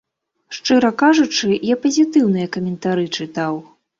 Шчыра кажучы, я пазітыўныя каментары чытаў.